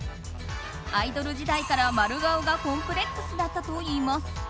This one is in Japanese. アイドル時代から丸顔がコンプレックスだったといいます。